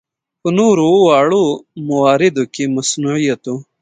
په نورو واړه مواردو کې مصنوعیت و.